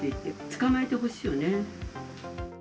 捕まえてほしいよね。